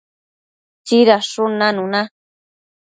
tsidadshun nanuna